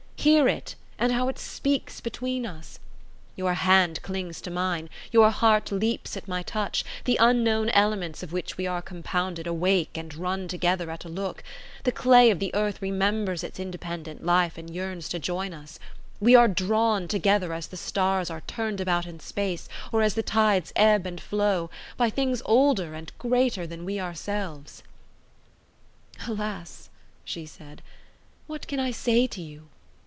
Hear it, and how it speaks between us! Your hand clings to mine, your heart leaps at my touch, the unknown elements of which we are compounded awake and run together at a look; the clay of the earth remembers its independent life and yearns to join us; we are drawn together as the stars are turned about in space, or as the tides ebb and flow, by things older and greater than we ourselves." "Alas!" she said, "what can I say to you?